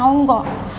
mas randi tau gak